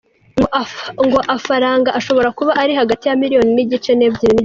Ngo afaranga ashobora kuba ari hagati ya miliyoni n'igice nebyili nigice.